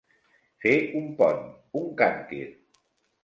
Fer un pont, un càntir.